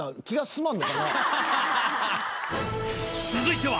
［続いては］